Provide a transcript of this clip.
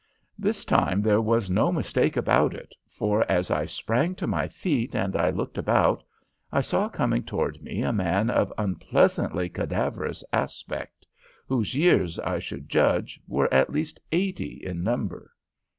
"This time there was no mistake about it, for as I sprang to my feet and looked about, I saw coming towards me a man of unpleasantly cadaverous aspect, whose years, I should judge, were at least eighty in number.